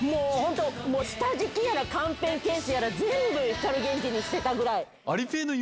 下敷きやら缶ペンケースやら全部光ＧＥＮＪＩにしてたぐらい。